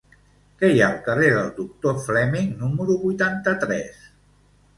Què hi ha al carrer del Doctor Fleming número vuitanta-tres?